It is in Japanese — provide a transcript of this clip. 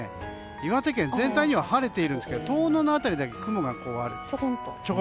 岩手県全体では晴れているんですが遠野辺りでは雲がある。